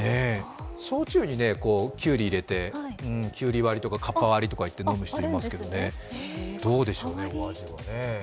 焼酎にきゅうり入れて、きゅうり割りとかカッパ割りと言って飲む方いらっしゃいますがどうでしょうね、お味はね。